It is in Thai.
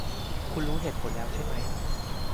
คุณรู้เหตุผลแล้วใช่ไหม